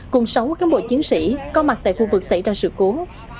cùng sáu cán bộ chiến sĩ có mặt tại khu vực xảy ra sự cố